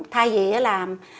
thay vì là